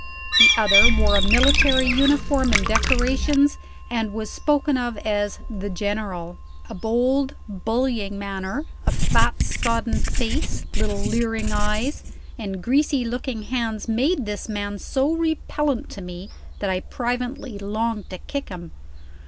The other wore a military uniform and decorations, and was spoken of as "the General." A bold bullying manner, a fat sodden face, little leering eyes, and greasy looking hands, made this man so repellent to me that I privately longed to kick him.